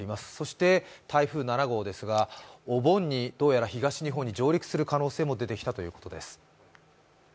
そして台風７号ですが、お盆にどうやら東日本に上陸する可能性も出てきたということです。